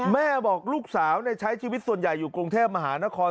บอกลูกสาวใช้ชีวิตส่วนใหญ่อยู่กรุงเทพมหานคร